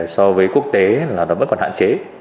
so với quốc tế vẫn còn hạn chế